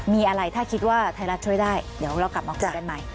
มีอะไรถ้าคิดว่าไทยรัฐช่วยได้เดี๋ยวเรากลับมาคุยกันใหม่